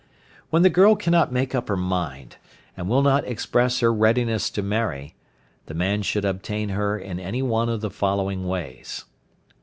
When the girl cannot make up her mind, or will not express her readiness to marry, the man should obtain her in any one of the following ways: (1).